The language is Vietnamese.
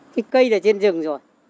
cái cây là trên rừng rồi